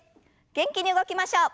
元気に動きましょう。